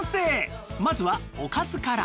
まずはおかずから